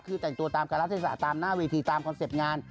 คือแต่งตัวตามการรัฐเทศะตามหน้าเวทีตามคอนเซ็ปต์งาน